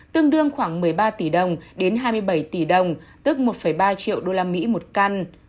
tương đương khoảng một mươi ba tỷ đồng đến hai mươi bảy tỷ đồng tức một ba triệu đô la mỹ một căn